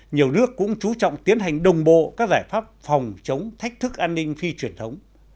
nhiều nước cũng chú trọng tiến hành đồng bộ các giải pháp phòng chống thách thức an ninh phi truyền thống